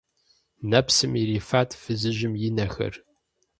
Нэпсым ирифат фызыжьым и нэхэр.